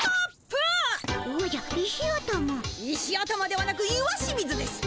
石頭ではなく石清水です！